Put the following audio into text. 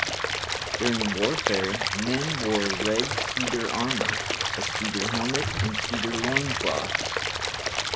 During warfare, men wore red cedar armour, a cedar helmet, and cedar loincloths.